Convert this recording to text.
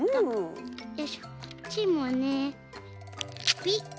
こっちもねピリッ。